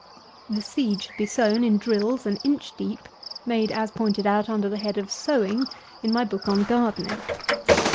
The seed should be sown in drills an inch deep, made as pointed out under the head of Sowing in my book on Gardening.